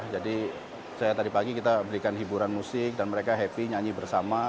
jadi saya tadi pagi kita berikan hiburan musik dan mereka happy nyanyi bersama